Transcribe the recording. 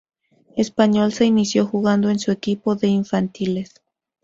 Español se inició jugando en su equipo de infantiles.